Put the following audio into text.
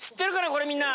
これみんな。